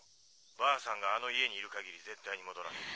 ばあさんがあの家にいる限り絶対に戻らない。